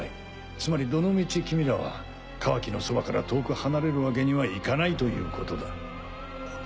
つまりどの道君らはカワキのそばから遠く離れるわけにはいかないということだ。